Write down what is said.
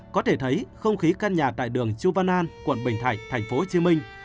có thể thấy không khí căn nhà tại đường chu văn an quận bình thạnh thành phố hồ chí minh